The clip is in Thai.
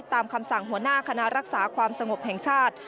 คำสั่งหัวหน้าคณะรักษาความสงบแห่งชาติ